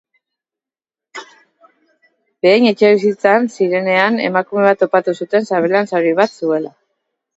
Behin etxebizitzan zirenean, emakume bat topatu zuten sabelean zauri bat zuela.